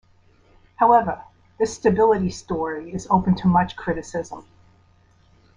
However, this stability story is open to much criticism.